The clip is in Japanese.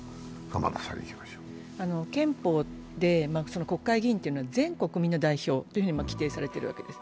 憲法で国会議員っていうのは全国民の代表って規定されているわけです。